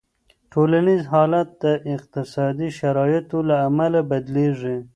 ټولنیز حالت د اقتصادي شرایطو له امله بدلېږي.